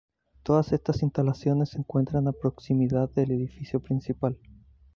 Todas estas instalaciones se encuentran a proximidad del edificio principal.